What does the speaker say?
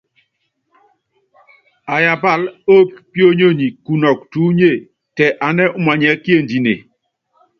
Ayábál ópíónyonyi kunɔk tuúnye tɛ aná umanyɛ́ kiendine.